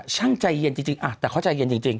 ช่างใจเย็นจริงแต่เขาใจเย็นจริง